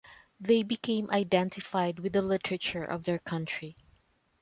They became identified with the literature of their country.